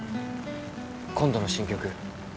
今度の新曲